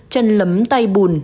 chân lấm tay bùn